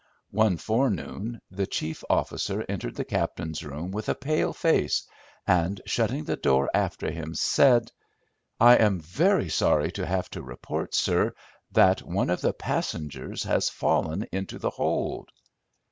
One forenoon the chief officer entered the captain's room with a pale face, and, shutting the door after him, said— "I am very sorry to have to report, sir, that one of the passengers has fallen into the hold."